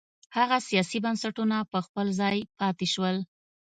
هغه سیاسي بنسټونه په خپل ځای پاتې شول.